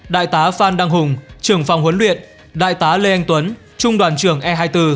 đại tá phan đăng hùng trưởng phòng huấn luyện đại tá lê anh tuấn trung đoàn trưởng e hai mươi bốn